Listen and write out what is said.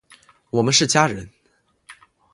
我们是家人！